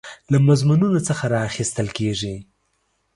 له مضمونونو څخه راخیستل کیږي.